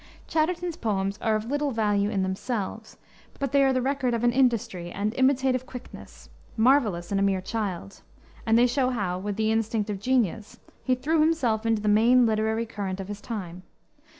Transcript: Chatterton's poems are of little value in themselves, but they are the record of an industry and imitative quickness, marvelous in a mere child, and they show how, with the instinct of genius, he threw himself into the main literary current of his time.